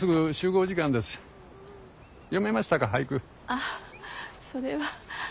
あっそれは。